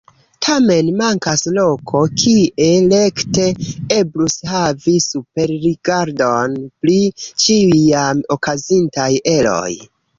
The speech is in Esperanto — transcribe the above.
Tamen mankas loko, kie rekte eblus havi superrigardon pri ĉiuj jam okazintaj eroj.